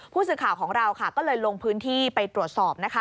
ผู้สื่อข่าวของเราก็เลยลงพื้นที่ไปตรวจสอบนะคะ